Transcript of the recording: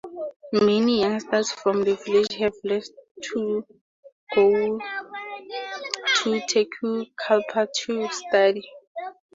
Many youngsters from the village have left to go to Tegucigalpa to study.